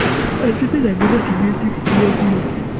Al final de la guerra civil se exilió a Francia.